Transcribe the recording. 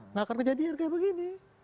nggak akan kejadian kayak begini